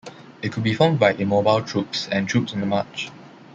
It could be formed by immobile troops and troops on the march.